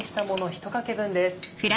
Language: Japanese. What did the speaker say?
１かけ分です。